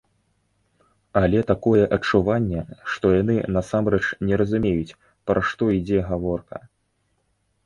Але такое адчуванне, што яны насамрэч не разумеюць, пра што ідзе гаворка.